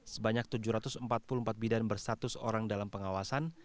sebanyak tujuh ratus empat puluh empat bidan bersatus orang dalam pengawasan